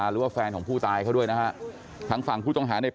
หรือว่าแฟนของผู้ตายเขาด้วยนะฮะ